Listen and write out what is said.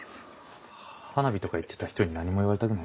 花火とか言ってた人に何も言われたくないね。